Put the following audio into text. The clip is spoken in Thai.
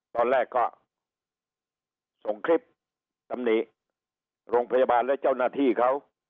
ตอนแรกก็ส่งคลิปตำหนิโรงพยาบาลและเจ้าหน้าที่เขา